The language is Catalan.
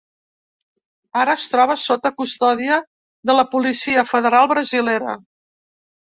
Ara es troba sota custòdia de la policia federal brasilera.